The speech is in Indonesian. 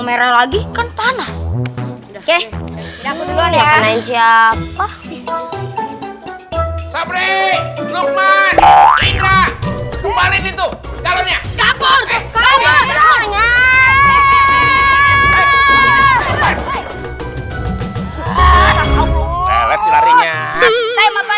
merah lagi kan panas oke aku dulu ya mencapai